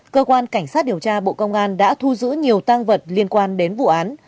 cơ quan cảnh sát điều tra bộ công an đã thu giữ nhiều tăng vật liên quan đến vụ án